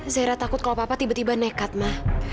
zaira takut kalau papa tiba tiba nekat mah